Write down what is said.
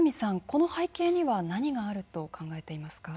この背景には何があると考えていますか？